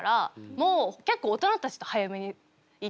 もう結構大人たちと早めにいて。